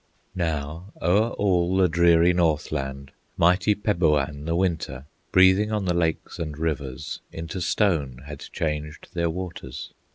Now, o'er all the dreary North land, Mighty Peboan, the Winter, Breathing on the lakes and rivers, Into stone had changed their waters.